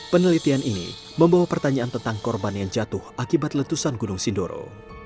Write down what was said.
penelitian ini membawa pertanyaan tentang korban yang jatuh akibat letusan gunung sindoro